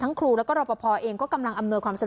ครูแล้วก็รอปภเองก็กำลังอำนวยความสะดวก